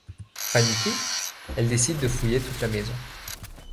Paniquée, elle décide de fouiller toute la maison.